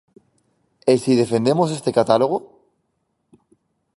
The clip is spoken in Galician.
E si defendemos este catálogo.